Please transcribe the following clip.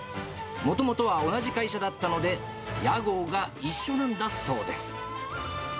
もともとは同じ会社だったので、屋号が一緒なんだそうです。